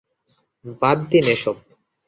বাদ দিন এসব।